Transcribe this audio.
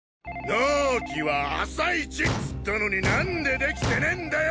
納期は朝一っつったのになんで出来てねぇんだよ